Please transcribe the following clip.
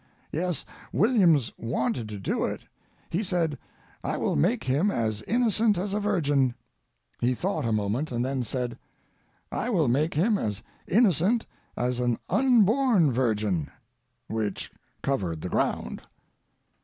Yes, Williams wanted to do it. He said: "I will make him as innocent as a virgin." He thought a moment, and then said, "I will make him as innocent as an unborn virgin;" which covered the ground.